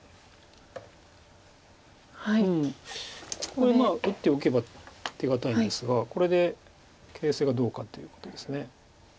ここへ打っておけば手堅いんですがこれで形勢がどうかということです。